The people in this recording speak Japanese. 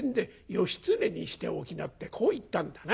『義経にしておきな』ってこう言ったんだな」。